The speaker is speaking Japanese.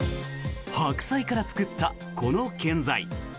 白菜から作ったこの建材。